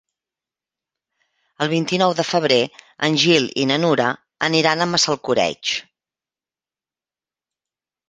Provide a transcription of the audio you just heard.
El vint-i-nou de febrer en Gil i na Nura aniran a Massalcoreig.